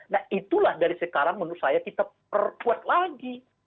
nah itulah dari sekarang menurut saya kita perkuat lagi